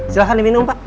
silahkan diminum pak